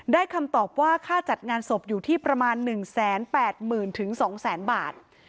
คำตอบว่าค่าจัดงานศพอยู่ที่ประมาณ๑๘๐๐๐๒๐๐๐๐บาท